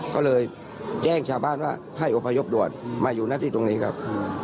ก็เลยแจ้งชาวบ้านว่าให้อพยพด่วนมาอยู่หน้าที่ตรงนี้ครับ